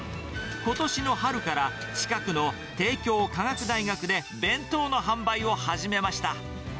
ことしの春から、近くの帝京科学大学で弁当の販売を始めました。